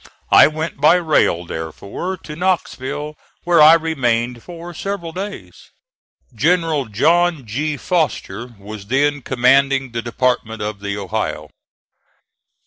I went by rail therefore to Knoxville, where I remained for several days. General John G. Foster was then commanding the Department of the Ohio.